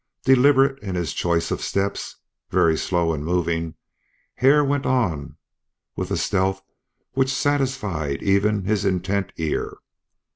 Deliberate in his choice of steps, very slow in moving, Hare went on with a stealth which satisfied even his intent ear.